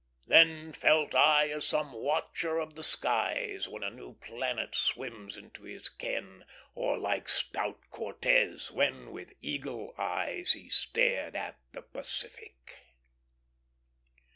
"Then felt I as some watcher of the skies When a new planet swims into his ken; Or like stout Cortez, when with eagle eyes He stared at the Pacific."